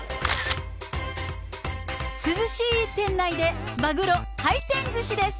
涼しい店内でマグロ、回転ずしです。